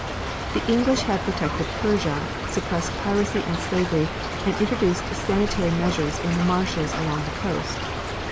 The English had protected Persia, suppressed piracy and slavery, and introduced sanitary measures in the marshes along the coast.